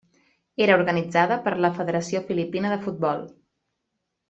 Era organitzada per la Federació Filipina de Futbol.